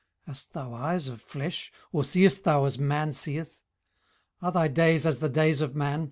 18:010:004 Hast thou eyes of flesh? or seest thou as man seeth? 18:010:005 Are thy days as the days of man?